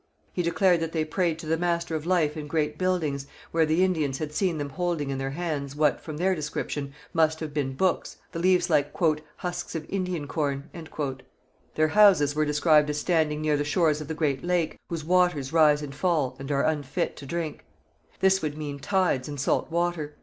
He declared that they prayed to the Master of Life in great buildings, where the Indians had seen them holding in their hands what, from their description, must have been books, the leaves like 'husks of Indian corn.' Their houses were described as standing near the shores of the great lake, whose waters rise and fall, and are unfit to drink. This would mean tides and salt water.